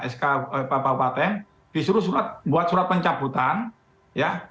sk bapak patent disuruh buat surat pencabutan ya